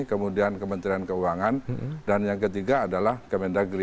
kemudian kementerian keuangan dan yang ketiga adalah kemendagri